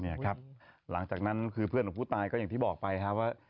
หลังจากนั้นคือเพื่อนของผู้ตายก็อย่างที่บอกไปครับว่า